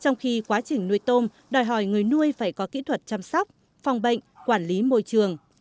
trong khi quá trình nuôi tôm đòi hỏi người nuôi phải có kỹ thuật chăm sóc phòng bệnh quản lý môi trường